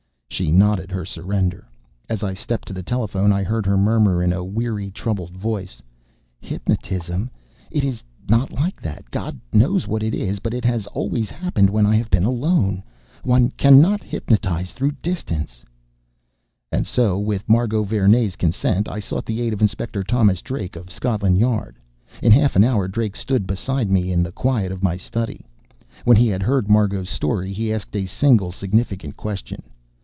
She nodded her surrender. As I stepped to the telephone, I heard her murmur, in a weary, troubled voice: "Hypnotism? It is not that. God knows what it is. But it has always happened when I have been alone. One cannot hypnotise through distance...." And so, with Margot Vernee's consent, I sought the aid of Inspector Thomas Drake, of Scotland Yard. In half an hour Drake stood beside me, in the quiet of my study. When he had heard Margot's story, he asked a single significant question.